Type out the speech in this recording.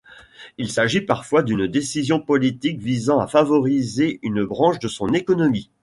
Il s'agit parfois d'une décision politique visant à favoriser une branche de son économie.